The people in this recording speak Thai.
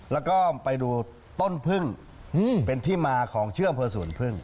แล้วก็ไปดูต้นพึ่งเป็นที่มาของเชื่อมเพอร์ศูนย์พึ่ง